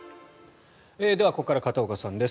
ここから片岡さんです。